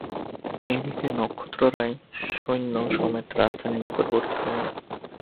এ দিকে নক্ষত্ররায় সৈন্য-সমেত রাজধানীর নিকটবর্তী হইলেন।